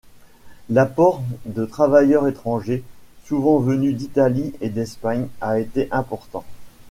L’apport de travailleurs étrangers, souvent venus d’Italie et d’Espagne, a été important.